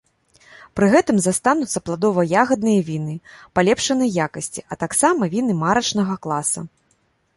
Пры гэтым застануцца пладова-ягадныя віны палепшанай якасці, а таксама віны марачнага класа.